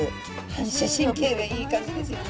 反射神経がいい感じですよね。